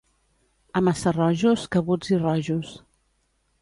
A Massarrojos cabuts i rojos